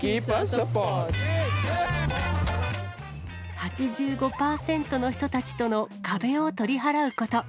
８５％の人たちとの壁を取り払うこと。